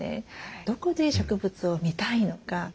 どこで植物を見たいのか。